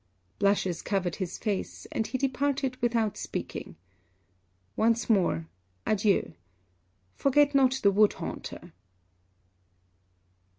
Blushes covered his face, and he departed without speaking. Once more, adieu! Forget not the wood haunter.